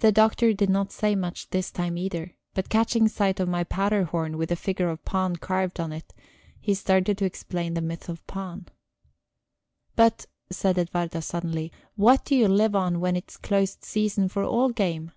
The Doctor did not say much this time either, but catching sight of my powder horn, with a figure of Pan carved on it, he started to explain the myth of Pan. "But," said Edwarda suddenly, "what do you live on when it's closed season for all game?"